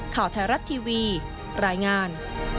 ข่าวไทยรัฐทีวีรายงาน